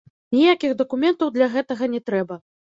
Ніякіх дакументаў для гэтага не трэба.